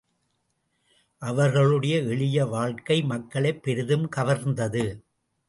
அவர்களுடைய எளிய வாழ்க்கை மக்களைப் பெரிதும் கவர்ந்தது.